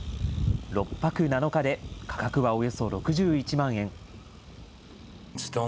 ６泊７日で、価格はおよそ６１万円。